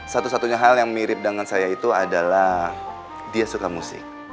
satu satunya hal yang mirip dengan saya itu adalah dia suka musik